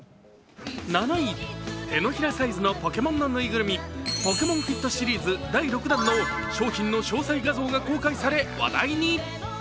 手のひらサイズのポケモンのぬいぐるみ、「Ｐｏｋｅｍｏｎｆｉｔ」シリーズ第６弾の商品の詳細画像が公開され話題に。